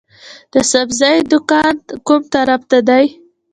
د سبزۍ دکان کوم طرف ته دی؟